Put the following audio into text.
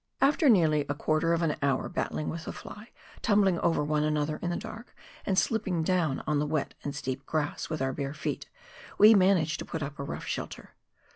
After nearly a quarter of an hour battling with the fly, tumbling over one another in the dark, and slipping down on the wet and steep grass with our bare feet, we managed to put up a rough shelter.